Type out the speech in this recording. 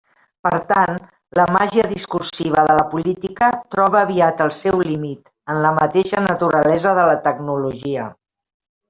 Per tant, la màgia discursiva de la política troba aviat el seu límit: en la mateixa naturalesa de la tecnologia.